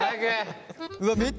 うわっ